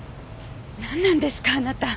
なんなんですかあなた。